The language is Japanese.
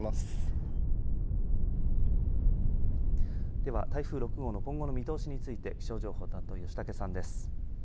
では、台風６号の今後の見通しについて気象情報担当、吉竹さんです。